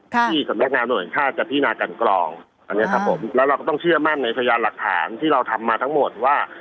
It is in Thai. กับพี่กับแม่งงานโดยแห่งฆาตกับพี่นากันกรองแล้วเราก็ต้องเชื่อมั่นในพยานหลักฐานที่เราทำมาทั้งหมดว่า